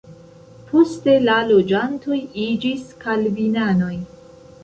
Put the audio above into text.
Poste la loĝantoj iĝis kalvinanoj.